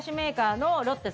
ロッテ？